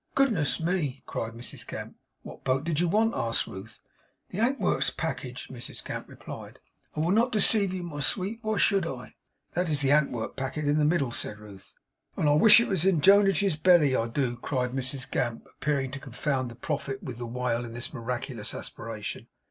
Goodness me!' cried Mrs Gamp. 'What boat did you want?' asked Ruth. 'The Ankworks package,' Mrs Gamp replied. 'I will not deceive you, my sweet. Why should I?' 'That is the Antwerp packet in the middle,' said Ruth. 'And I wish it was in Jonadge's belly, I do,' cried Mrs Gamp; appearing to confound the prophet with the whale in this miraculous aspiration.